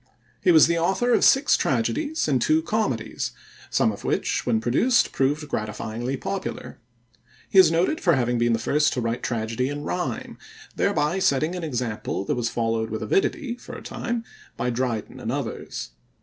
He was the author of six tragedies and two comedies, some of which when produced proved gratifyingly popular. He is noted for having been the first to write tragedy in rhyme, thereby setting an example that was followed with avidity for a time by Dryden and others.